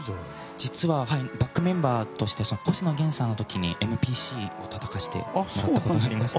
実はバックメンバーとして星野源さんの時にＭＰＣをたたかせてもらいました。